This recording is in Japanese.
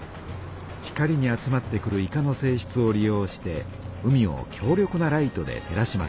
光に集まってくるイカのせいしつを利用して海を強力なライトで照らします。